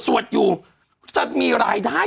อยู่จะมีรายได้